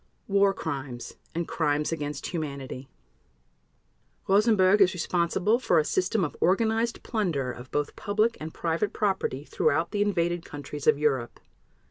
War Crimes and Crimes against Humanity Rosenberg is responsible for a system of organized plunder of both public and private property throughout the invaded countries of Europe.